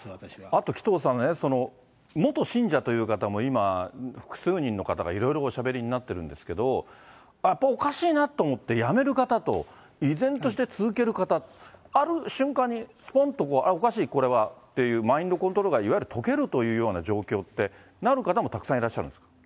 あと紀藤さんね、元信者という方も、今複数人の方がいろいろおしゃべりになってるんですけど、やっぱおかしいなと思ってやめる方と、依然として続ける方、ある瞬間にぽんとこう、あれ、おかしい、これはっていう、マインドコントロールがいわゆる解けるような状況ってなる方もたくさんいらっしゃるんですか？